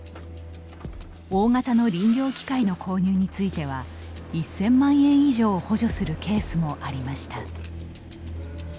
大型の林業機械の購入については１０００万円以上補助するケースもありました。